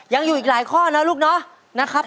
ยังอยู่อีกหลายข้อนะลูกเนาะนะครับ